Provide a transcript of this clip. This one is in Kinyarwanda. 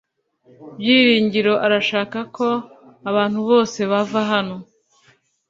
Byiringiro arashaka ko abantu bose bava hano .